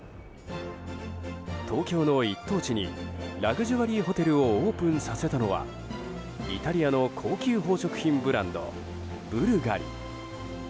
東京の一等地にラグジュアリーホテルをオープンさせたのはイタリアの高級宝飾品ブランドブルガリ。